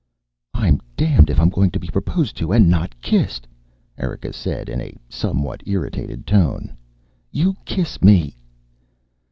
"I'm damned if I'm going to be proposed to and not kissed," Erika said in a somewhat irritated tone. "You kiss me!"